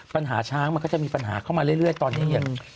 ปัญหาช้างมันก็จะมีปัญหาเข้ามาเรื่อยตอนนี้อย่าง